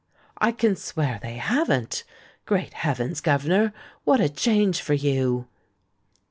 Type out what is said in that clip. "I can swear they haven't. Great heavens, Governor, what a change for you!"